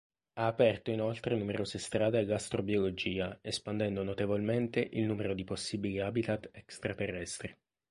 Ha aperto inoltre numerose strade all'astrobiologia espandendo notevolmente il numero di possibili habitat extraterrestri.